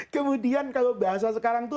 kemudian kalau bahasa sekarang itu